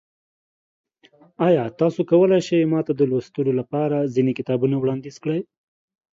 ایا تاسو کولی شئ ما ته د لوستلو لپاره ځینې کتابونه وړاندیز کړئ؟